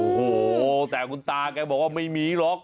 โอ้โหแต่คุณตาแกบอกว่าไม่มีหรอก